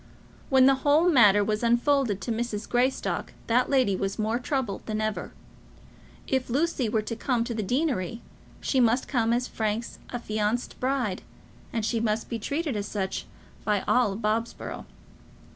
When the whole matter was unfolded to Mrs. Greystock, that lady was more troubled than ever. If Lucy were to come to the deanery, she must come as Frank's affianced bride, and must be treated as such by all Bobsborough.